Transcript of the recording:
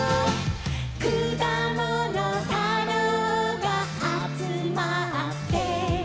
「くだものたろうがあつまって」